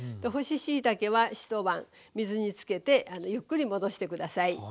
干ししいたけは一晩水につけてゆっくり戻してください。